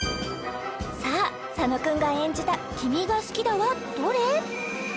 さあ佐野くんが演じた「君が好きだ」はどれ？